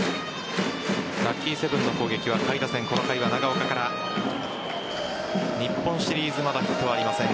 ラッキーセブンの攻撃は下位打線この回は長岡から日本シリーズまだヒットはありません